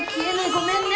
ごめんね。